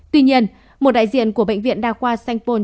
tuy nhiên một đại diện của bệnh viện đa khoa sanh pôn